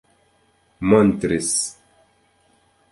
montris